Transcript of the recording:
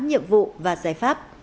nhiệm vụ và giải pháp